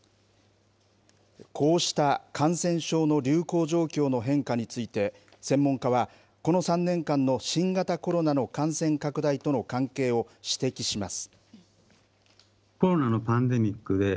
こうした感染症の流行状況の変化について、専門家はこの３年間の新型コロナの感染拡大との関係を指摘します。